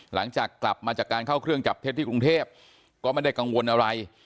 หลังจากกลับมาจากการเข้าเครื่องจับเท็จที่กรุงเทพก็ไม่ได้กังวลอะไร